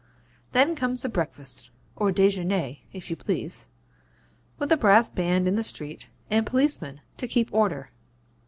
'Then comes the breakfast, or DEJEUNER, if you please, with a brass band in the street, and policemen to keep order.